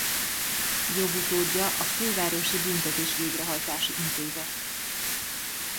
Jogutódja a Fővárosi Büntetés-végrehajtási Intézet.